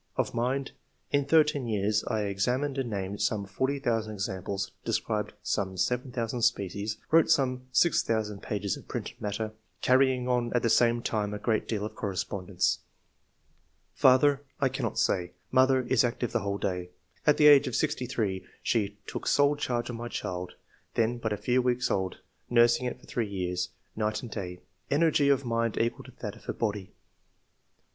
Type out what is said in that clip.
Of mind — In thirteen years I examined and named some 40,000 examples, de scribed about 7,000 species, wrote some 6,000 pages of printed matter, carrying on at the same time a great deal of correspondence. ^'Father — I cannot say. Mother — Is active the whole day. At the age of sixty three she took sole charge of my child, then but a few weeks old, nursing it for three years, night and day. Energy of mind equal to that of her body." 4.